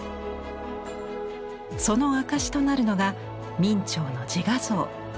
その証しとなるのが明兆の自画像。